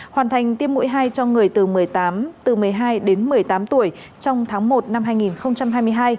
hoàn thành tiêm mũi hai cho người từ một mươi hai đến một mươi tám tuổi trong tháng một năm hai nghìn hai mươi hai